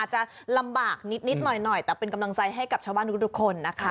จะลำบากนิดหน่อยแต่เป็นกำลังใจให้กับชาวบ้านทุกคนนะคะ